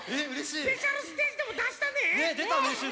スペシャルステージでもだしたね！